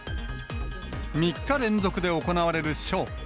３日連続で行われるショー。